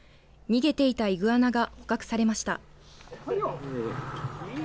逃げていたイグアナが捕獲されました。